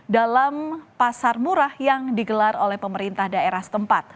dalam pasar murah yang digelar oleh pemerintah daerah setempat